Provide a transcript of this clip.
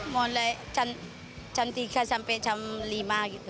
mulai jam tiga sampai jam lima gitu